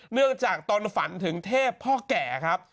เนื่องจากตนฝันถึงเทพพ่อแก่ครับ